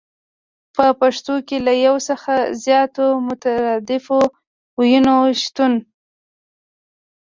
په پښتو کې له يو څخه زياتو مترادفو ويونو شتون